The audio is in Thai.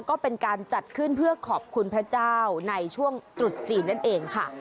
ก็เป็นการจัดขึ้นเพื่อขอบคุณพระเจ้าในช่วงตรุษจีนนั่นเองค่ะ